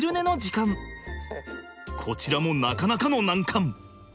こちらもなかなかの難関。